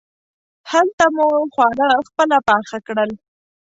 هلته مو خواړه خپله پاخه کړل.